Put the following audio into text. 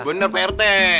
bener pak rt